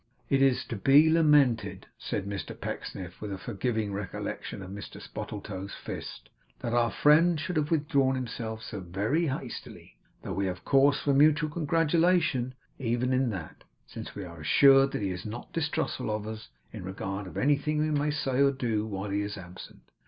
'It is to be lamented,' said Mr Pecksniff, with a forgiving recollection of Mr Spottletoe's fist, 'that our friend should have withdrawn himself so very hastily, though we have cause for mutual congratulation even in that, since we are assured that he is not distrustful of us in regard to anything we may say or do while he is absent.